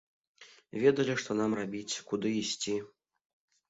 Ведалі, што нам рабіць, куды ісці.